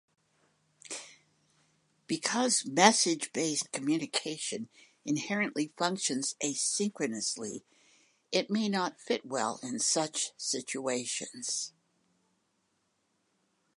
Because message-based communication inherently functions asynchronously, it may not fit well in such situations.